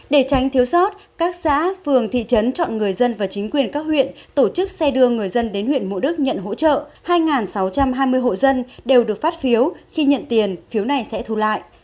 để tránh thiếu sót các xã phường thị trấn chọn người dân và chính quyền các huyện tổ chức xe đưa người dân đến huyện mộ đức nhận hỗ trợ hai sáu trăm hai mươi hộ dân đều được phát phiếu khi nhận tiền phiếu này sẽ thu lại